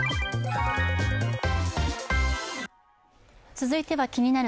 続いては「気になる！